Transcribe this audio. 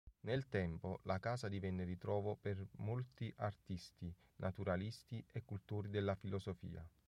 Nel tempo la casa divenne ritrovo per molti artisti, naturalisti e cultori della filosofia.